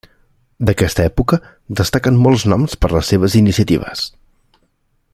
D'aquesta època destaquen molts noms per les seves iniciatives.